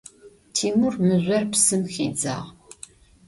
Timur mızjor psım xidzağ.